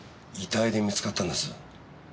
遺体で見つかったんです。